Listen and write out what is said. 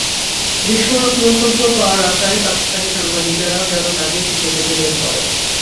বিস্ফোরক মন্তব্য পাওয়ার আশায় পাকিস্তানি সাংবাদিকেরাও যেন তাঁকেই খুঁজে পেতে বের করেন।